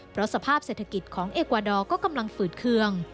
เพราะสภาพเศรษฐกิจของเอกวาดอร์ก็กำลังฝืดเคือง